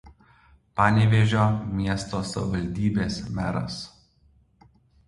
Panevėžio miesto savivaldybės meras.